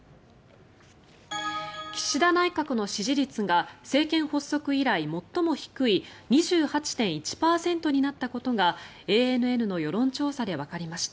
岸田内閣の支持率が政権発足以来最も低い２８．１％になったことがＡＮＮの世論調査でわかりました。